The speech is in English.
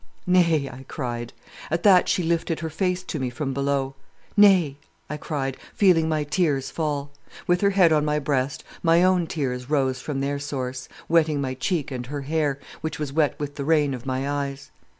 'Nay,' I cried. At that she lifted her face to me from below. 'Nay,' I cried, feeling my tears fall. With her head on my breast, my own tears rose from their source, wetting my cheek and her hair, which was wet with the rain of my eyes.